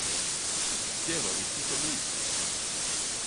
Det var ikkje så lurt.